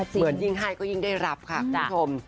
เหมือนยิ่งให้ก็ยิ่งได้รับค่ะคุณผู้ชม